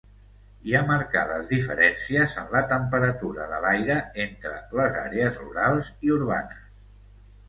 Hi ha marcades diferències en la temperatura de l'aire entre les àrees rurals i urbanes.